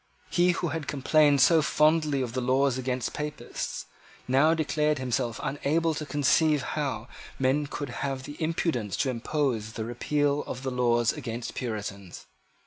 He, who had complained so fondly of the laws against Papists, now declared himself unable to conceive how men could have the impudence to propose the repeal of the laws against Puritans.